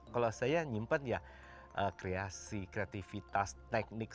kalau saya nyimpan ya kreasi kreativitas teknik